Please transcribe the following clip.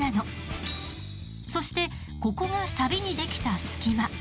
そしてここがサビにできた隙間。